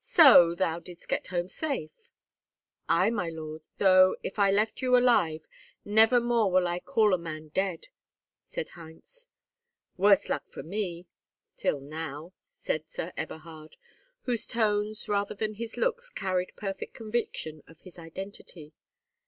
"So thou didst get home safe?" "Ay, my lord; though, if I left you alive, never more will I call a man dead," said Heinz. "Worse luck for me—till now," said Sir Eberhard, whose tones, rather than his looks, carried perfect conviction of his identity.